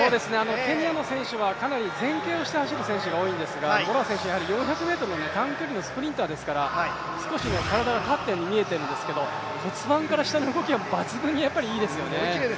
ケニアの選手はかなり前傾して走る選手が多いのですが、モラア選手４００ｍの短距離のスプリンターですから少し体が縦に見えてるんですけども骨盤から下の動きは抜群にいいですよね。